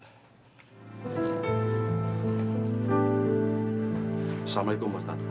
assalamualaikum pak ustadz